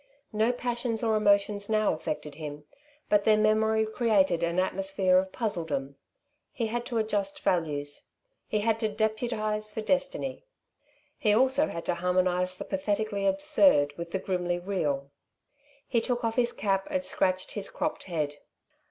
No passions or emotions now affected him; but their memory created an atmosphere of puzzledom. He had to adjust values. He had to deputize for Destiny. He also had to harmonize the pathetically absurd with the grimly real. He took off his cap and scratched his cropped head.